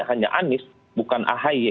hanya anies bukan ahy